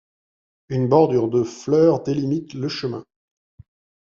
une bordure de fleurs délimite le chemin